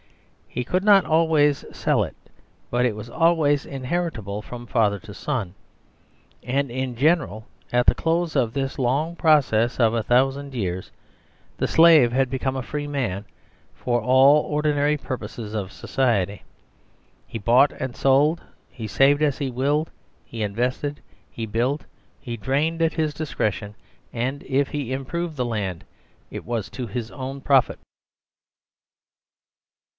He could not always sell it, but it was always inheritable from father to son ; and, in general, at the close of this long process of a thousand years the Slave had become a free man for all the ordinary purposes of society. He bought and sold. He saved as he willed, he invested, he built, he drained at his discretion, and if he improved the land it was to his own profit.